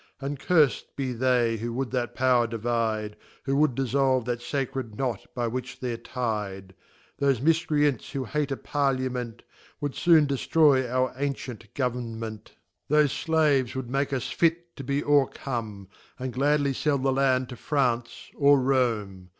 And curfl be they who would that Power divide, Who would difiblve thatSacred knot by which they're Thofe Mifcreants who hate a Parliament., P> <*. Would foon deftroy our Anticnt Government. Thofe Slaves would make us fit to be o recomej And gladly fell the Land to France, or Rome.